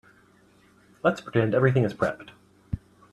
Let's pretend everything is prepped.